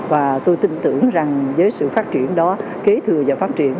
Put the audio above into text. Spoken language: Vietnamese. và tôi tin tưởng rằng với sự phát triển đó kế thừa và phát triển